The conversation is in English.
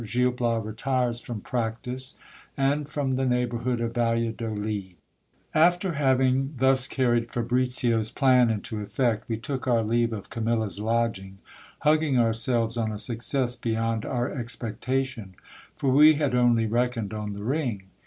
Gil Bias retires from practice, and from the neighbourhood of Valladolid. After having thus carried Fabricio's plan into effect, we took our leave of Camilla's lodging, hugging ourselves on a success beyond our expectation ; for we had only reckoned on the ring.